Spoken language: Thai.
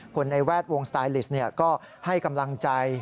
ในแวดวงสไตลิสก็ให้กำลังใจ